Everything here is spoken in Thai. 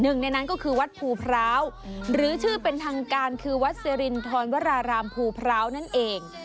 หนึ่งในนั้นก็คือวัดภูพร้าวหรือชื่อเป็นทางการคือวัดสิรินทรวรารามภูพร้าวนั่นเอง